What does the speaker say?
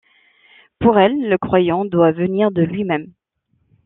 Pour elle, le croyant doit venir de lui-même.